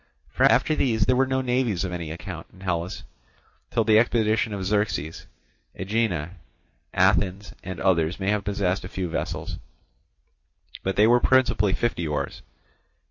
For after these there were no navies of any account in Hellas till the expedition of Xerxes; Aegina, Athens, and others may have possessed a few vessels, but they were principally fifty oars.